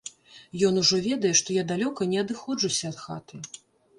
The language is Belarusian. Ён ужо ведае, што я далёка не адыходжуся ад хаты.